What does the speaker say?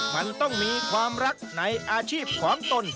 มันต้องมีความรักในอาชีพของตน